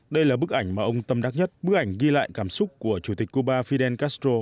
đây là bức ảnh mà ông tâm đắc nhất bức ảnh ghi lại cảm xúc của chủ tịch cuba fidel castro